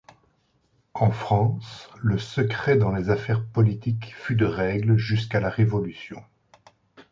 En France, le secret dans les affaires politiques fut de règle jusqu’à la Révolution.